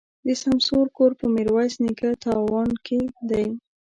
د سمسور کور په ميروایس نیکه تاون کي دی.